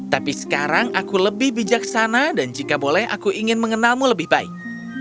tapi sekarang aku lebih bijaksana dan jika boleh aku ingin mengenalmu lebih baik